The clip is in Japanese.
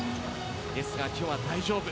ですが今日は大丈夫。